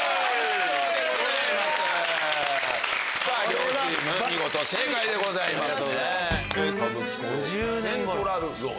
両チーム見事正解でございます。